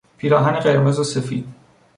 پیراهن قرمز وسفید